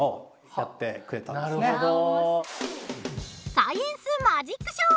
サイエンスマジックショー！